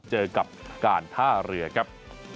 เจอกับการท่าเรือครับ